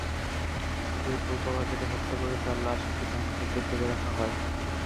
এরপর গলা কেটে হত্যা করে তার লাশ একটি ধানখেতে ফেলে রাখা হয়।